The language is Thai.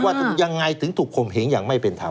ว่ายังไงถึงถูกคงเห็นอย่างไม่เป็นธรรม